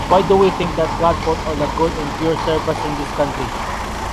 Why do we think that God put all the good and pure servants in this country?